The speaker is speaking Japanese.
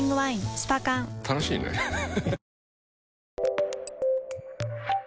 スパ缶楽しいねハハハさあ